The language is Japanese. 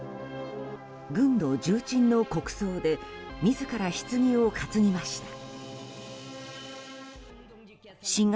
軍の重鎮の国葬で自らひつぎを担ぎました。